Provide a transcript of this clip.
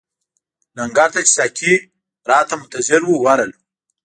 لنګر ته چې ساقي راته منتظر وو ورغلو.